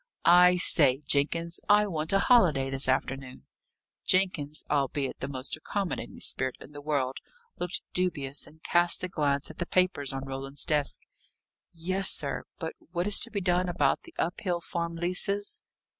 "I say, Jenkins, I want a holiday this afternoon." Jenkins, albeit the most accommodating spirit in the world, looked dubious, and cast a glance at the papers on Roland's desk. "Yes, sir. But what is to be done about the Uphill farm leases?"